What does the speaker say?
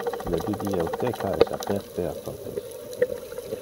Le bibliotheca es aperte a totes.